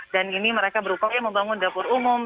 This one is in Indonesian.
dan ini mereka berupaya membangun dapur umum